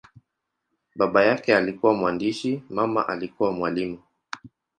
Baba yake alikuwa mwandishi, mama alikuwa mwalimu.